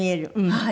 はい。